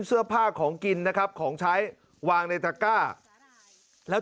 เสื้อผ้าของกินนะครับของใช้วางในตะก้าแล้ว